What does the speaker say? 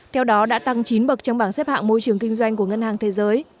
theo đó đã tăng chín bậc trong bảng xếp hạng môi trường kinh doanh của ngân hàng thế giới